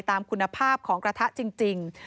ตามคุณภาพของกระทะจริง